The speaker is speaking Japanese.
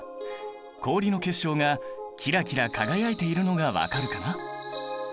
氷の結晶がキラキラ輝いているのが分かるかな？